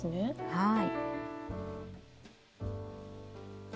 はい。